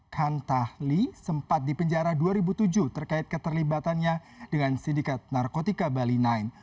kan tahli sempat dipenjara dua ribu tujuh terkait keterlibatannya dengan sindikat narkotika bali sembilan